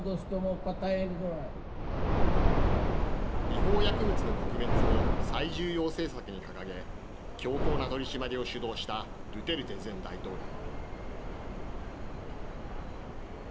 違法薬物の撲滅を最重要政策に掲げ強硬な取締りを主導したドゥテルテ前大統領。